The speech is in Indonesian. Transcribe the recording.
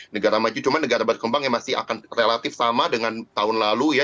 negara maju cuma negara berkembang yang masih akan relatif sama dengan tahun lalu ya